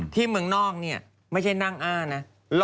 เมืองนอกเนี่ยไม่ใช่นั่งอ้านะ